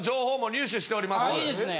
あいいですね。